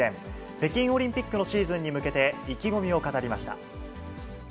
北京オリンピックのシーズンに向けて、意気込みを語りました。